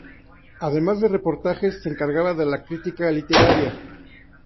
Además de reportajes se encargaba de la crítica literaria.